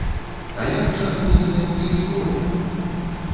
А як жа знойдзеная ў іх зброя?!